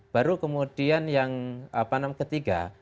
baru kemudian yang ketiga